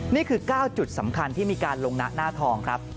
นี่คือ๙จุดสำคัญที่มีการลงนะหน้าทองครับ